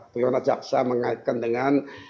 bagaimana jaksa mengaitkan dengan